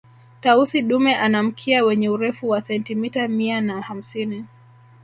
Tausi dume ana mkia wenye Urefu wa sentimita mia na hamsini